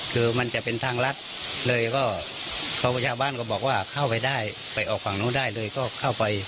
คือมันจะเป็นทางรัฐเลยก็ชาวบ้านก็บอกว่าเข้าไปได้ไปออกฝั่งนู้นได้เลยก็เข้าไป